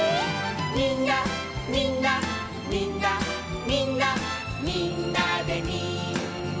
「みんなみんなみんなみんなみんなでみんな」